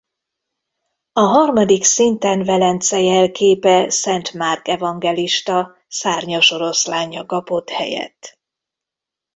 A harmadik szinten Velence jelképe Szent Márk evangelista szárnyas oroszlánja kapott helyet.